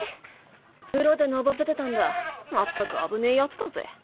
風呂でのぼせてたんだまったく危ねぇヤツだぜ。